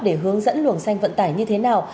để hướng dẫn luồng xanh vận tải như thế nào